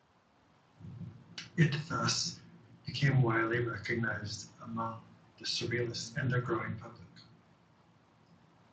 It thus became widely recognized among the Surrealists and their growing public.